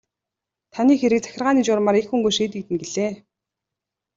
Таны хэрэг захиргааны журмаар их хөнгөн шийдэгдэнэ гэлээ.